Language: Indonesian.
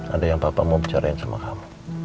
ada yang bapak mau bicarain sama kamu